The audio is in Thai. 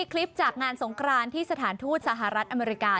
คลิปจากงานสงครานที่สถานทูตสหรัฐอเมริกา